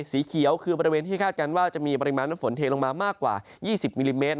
สีเขียวคือบริเวณที่คาดการณ์ว่าจะมีปริมาณน้ำฝนเทลงมามากกว่า๒๐มิลลิเมตร